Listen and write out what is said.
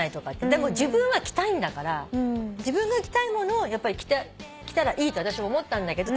でも自分は着たいんだから自分が着たいものをやっぱり着たらいいと私も思ったんだけど。